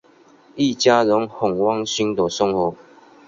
一家人很温馨的生活。